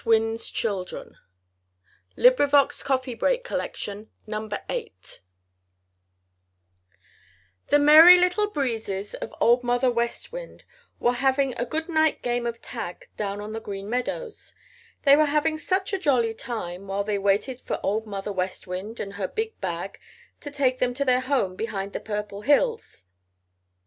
XIV WHY HOOTY THE OWL DOES NOT PLAY ON THE GREEN MEADOWS The Merry Little Breezes of Old Mother West Wind were having a good night game of tag down on the Green Meadows. They were having such a jolly time while they waited for Old Mother West Wind and her big bag to take them to their home behind the Purple Hills.